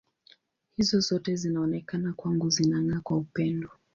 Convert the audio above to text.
Hizo zote zinaonekana kwangu zinang’aa kwa upendo.